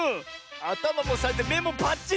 あたまもさえてめもパッチリ！